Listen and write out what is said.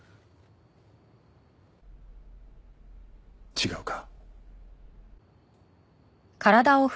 違うか？